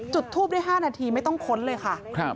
จุดทูปได้๕นาทีไม่ต้องค้นเลยค่ะ